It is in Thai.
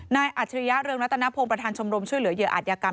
อัจฉริยะเรืองรัตนพงศ์ประธานชมรมช่วยเหลือเหยื่ออาจยากรรม